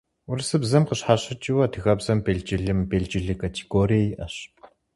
Урысыбзэм къыщхьэщыкӏыу адыгэбзэм белджылы, мыбелджылы категорие иӏэщ.